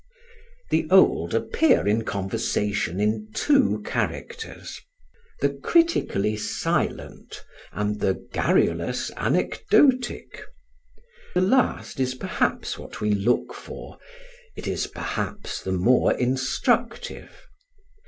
The old appear in conversation in two characters: the critically silent and the garrulous anecdotic. The last is perhaps what we look for; it is perhaps the more instructive.